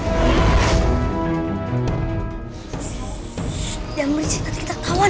shhh jangan berisik nanti kita tawan